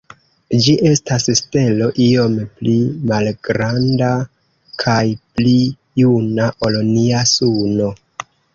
Ĝi estas stelo iom pli malgranda kaj pli juna ol nia Suno.